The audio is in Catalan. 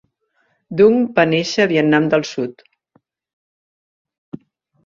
Dung va néixer a Vietnam del sud.